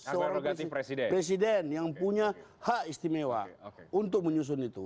seorang presiden yang punya hak istimewa untuk menyusun itu